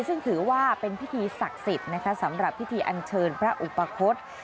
ซึ่งถือว่าเป็นพิธีศักดิ์สิทธิ์นะคะสำหรับพิธีอันเชิญพระอุปคศ